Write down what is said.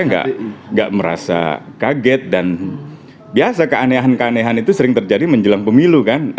saya nggak merasa kaget dan biasa keanehan keanehan itu sering terjadi menjelang pemilu kan